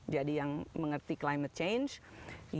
jadi yang mengerti perubahan klinik